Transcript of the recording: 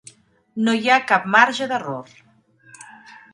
No hi ha cap marge d'error.